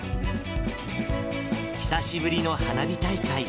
久しぶりの花火大会。